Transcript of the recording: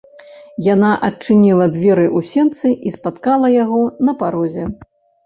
Яна адчыніла дзверы ў сенцы і спаткала яго на парозе.